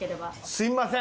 すみません。